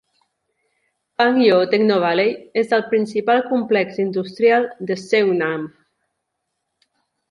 Pangyo Technovalley és el principal complex industrial de Seongnam.